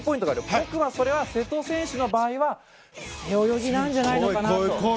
僕はそれは瀬戸選手の場合は背泳ぎなんじゃないのかなと。